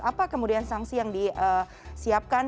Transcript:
apa kemudian sanksi yang disiapkan